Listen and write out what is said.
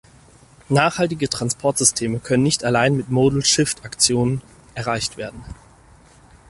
Nachhaltige Transportsysteme können nicht allein mit modal shift-Aktionen erreicht werden.